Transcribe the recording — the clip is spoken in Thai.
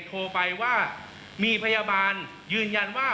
โทรไปว่ามีพยาบาลยืนยันว่า